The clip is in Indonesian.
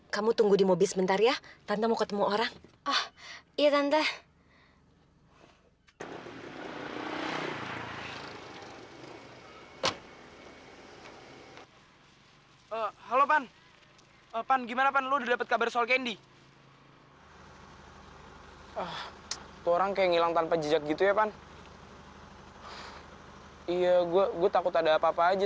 sampai jumpa di video selanjutnya